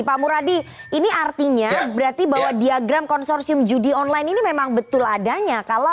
pak muradi ini artinya berarti bahwa diagram konsorsium judi online ini memang betul adanya